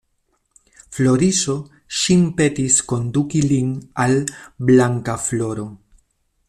Floriso ŝin petis konduki lin al Blankafloro.